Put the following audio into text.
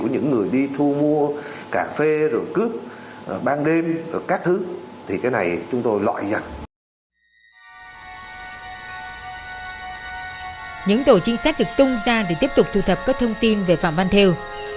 những tổ chính sách được tung ra để tiếp tục thu thập các thông tin về phạm văn thêu